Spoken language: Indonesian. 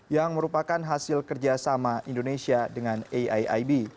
yang merupakan hasil kerjasama indonesia dengan aiib